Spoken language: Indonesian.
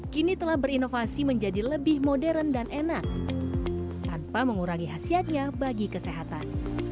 kini telah berinovasi menjadi lebih modern dan enak tanpa mengurangi hasilnya bagi kesehatan